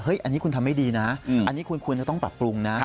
อันนี้คุณทำไม่ดีนะอันนี้คุณควรจะต้องปรับปรุงนะ